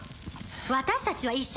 私たちは一緒